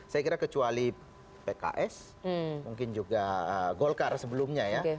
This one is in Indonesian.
saya kira kecuali pks mungkin juga golkar sebelumnya ya